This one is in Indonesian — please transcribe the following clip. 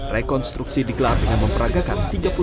rekonstruksi digelar dengan memperagakan